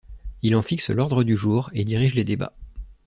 Il en fixe l’ordre du jour et dirige les débats.